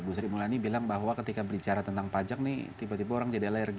bu sri mulyani bilang bahwa ketika bicara tentang pajak nih tiba tiba orang jadi alergi